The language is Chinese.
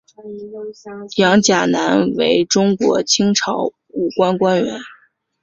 杨钾南为中国清朝武官官员。